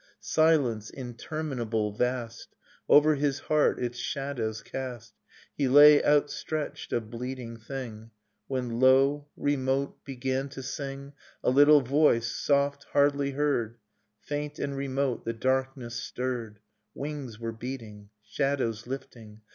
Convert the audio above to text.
... Silence, interminable, vast, Over his heart its shadow cast, He lay outstretched, a bleeding thing ... When, lo, remote began to sing A little voice, soft, hardly heard; Faint and remote the darkness stirred. Wings were beating, shadows lifting.